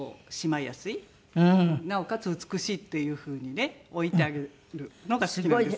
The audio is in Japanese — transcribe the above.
なおかつ美しいっていう風にね置いてあげるのが好きなんですね。